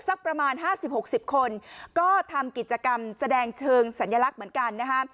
สักประมาณ๕๐๖๐คนก็ทำกิจกรรมแสดงเชิงสัญลักษณ์เหมือนกันนะฮะ